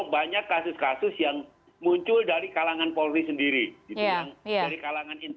banyak kasus kasus yang muncul dari kalangan polri sendiri